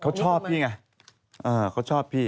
เขาชอบพี่ไงเขาชอบพี่